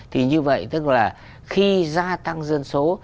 thì như vậy tức là khi gia tăng dân số